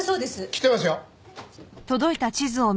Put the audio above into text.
来てますよ。